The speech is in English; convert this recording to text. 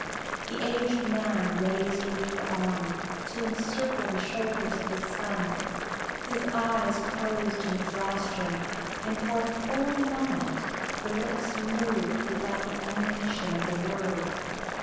The aged man raised a weak arm, to encircle the shoulders of his son. His eyes closed in exhaustion, and for a full moment the lips moved without the emanation of a word.